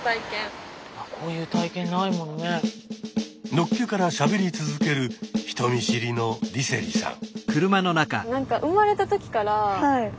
のっけからしゃべり続ける人見知りの梨星さん。